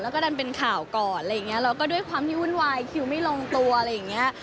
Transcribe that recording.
แล้วก็ดันเป็นข่าวก่อนอะไรอย่างเงี้ยแล้วก็ด้วยความที่วุ่นวายคิวไม่ลงตัวอะไรอย่างเงี้ย